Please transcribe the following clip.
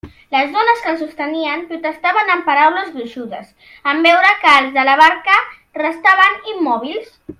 Les dones que el sostenien protestaven amb paraules gruixudes en veure que els de la barca restaven immòbils.